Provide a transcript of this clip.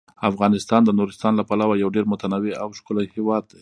افغانستان د نورستان له پلوه یو ډیر متنوع او ښکلی هیواد دی.